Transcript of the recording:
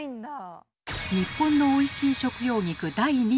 日本のおいしい食用菊第２位は。